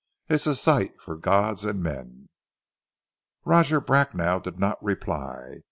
It's a sight for gods and men!" Roger Bracknell did not reply.